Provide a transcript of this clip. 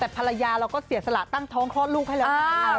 แต่ภรรยาเราก็เสียสละตั้งท้องคลอดลูกให้แล้วนะคะ